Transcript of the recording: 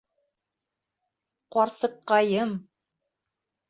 Ҡарсыҡҡайым!